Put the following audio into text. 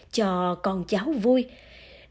cho con cháu con cháu con cháu con cháu